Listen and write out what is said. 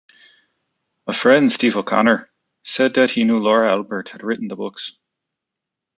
A friend, Steve O'Connor, said that he knew Laura Albert had written the books.